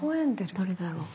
誰だろう？